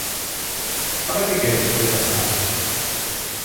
¿Para que quere vostede a palabra?